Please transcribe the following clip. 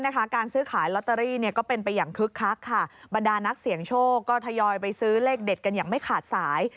คึกคักค่ะบรรดานักเสียงโชคก็ทยอยไปซื้อเลขเด็ดกันอย่างไม่ขาดสาย